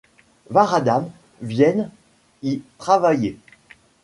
Varadhan vienne y travailler.